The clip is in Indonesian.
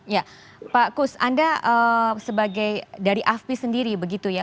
ya pak kus anda sebagai dari afpi sendiri begitu ya